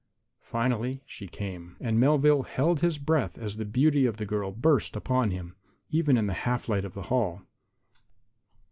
Finally she came. And Melvale held his breath as the beauty of the girl burst upon him, even in the half light of the hall.